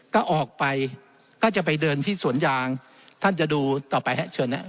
ก็ออกไปก็จะไปเดินที่สวนยางท่านจะดูต่อไปฮะเชิญครับ